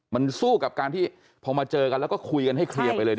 มันสู้กับการที่พอมาเจอกันแล้วก็คุยกันให้เคลียร์ไปเลย